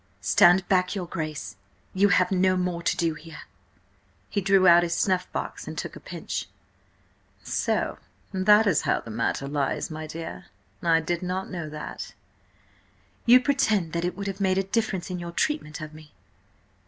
"Stand back, your Grace! You have no more to do here!" He drew out his snuff box and took a pinch. "So that is how the matter lies, my dear. I did not know that." "You pretend that it would have made a difference in your treatment of me?"